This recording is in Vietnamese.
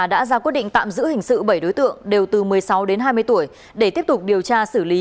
đã ra quyết định tạm giữ hình sự bảy đối tượng đều từ một mươi sáu đến hai mươi tuổi để tiếp tục điều tra xử lý